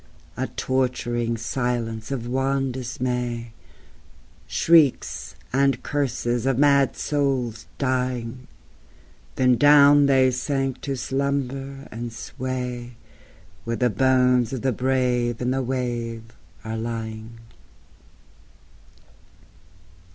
A torturing silence of wan dismay Shrieks and curses of mad souls dying Then down they sank to slumber and sway Where the bones of the brave in the wave are lying.